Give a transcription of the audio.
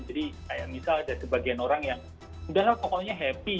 jadi kayak misal ada sebagian orang yang udah kokonya happy